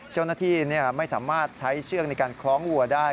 เจ้าหน้าที่ไม่สามารถใช้เชือกในการคล้องวัวได้